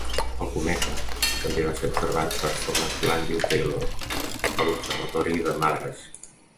El cometa també va ser observat per Thomas Glanville Taylor a l'Observatori de Madras.